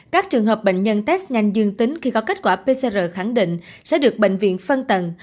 các trường hợp bệnh nhân test nhanh dương tính khi có kết quả pcr khẳng định sẽ được bệnh viện phân tầng